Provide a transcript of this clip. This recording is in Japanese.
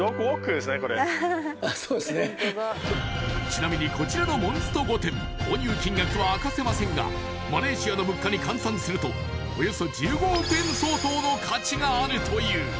［ちなみにこちらのモンスト御殿購入金額は明かせませんがマレーシアの物価に換算するとおよそ１５億円相当の価値があるという］